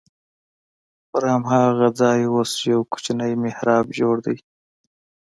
پر هماغه ځای اوس یو کوچنی محراب جوړ دی.